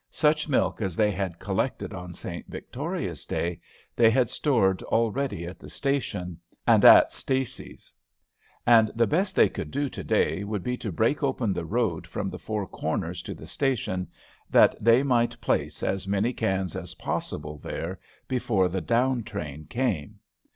Such milk as they had collected on St. Victoria's day they had stored already at the station, and at Stacy's; and the best they could do to day would be to break open the road from the Four Corners to the station, that they might place as many cans as possible there before the down train came.